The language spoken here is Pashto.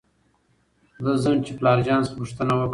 زه ځم چې پلار جان څخه پوښتنه وکړم .